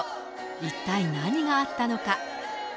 一体何があったのか。